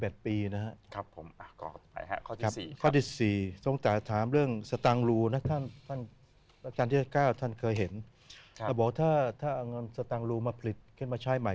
ดินะครับแล้วก็ข้อ๔นะครับข้อที่๕แล้วครับข้อที่๕ตรงสำหรับ